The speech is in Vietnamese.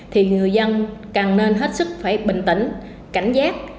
thì người dân càng nên hết sức phải bình tĩnh cảnh giác